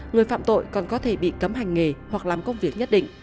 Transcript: người phạm tội còn có thể bị cấm hành nghề hoặc làm công việc nhất định